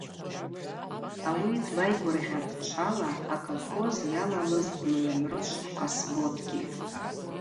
Ауи дайгвыргъьатӏ чвала аколхоз йалалыз Лгӏвамрычв Къасботгьи.